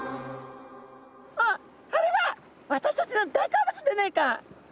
「あっあれは私たちの大好物でねえか」。